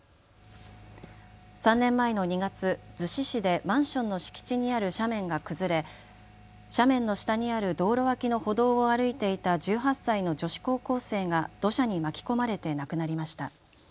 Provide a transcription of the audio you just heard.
３年前の２月、逗子市でマンションの敷地にある斜面が崩れ斜面の下にある道路脇の歩道を歩いていた１８歳の女子高校生が土砂に巻き込まれて亡くなりました。